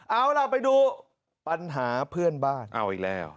เอาล่ะไปดูปัญหาเพื่อนบ้านเอาอีกแล้ว